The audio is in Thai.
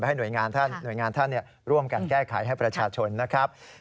ให้หน่วยงานหน่วยงานท่านร่วมกันแก้ไขให้ประชาชนนะครับ